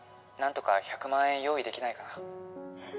なんとか１００万円用意できないかな？